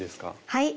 はい！